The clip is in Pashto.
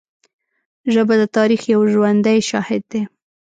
ژبه د تاریخ یو ژوندی شاهد دی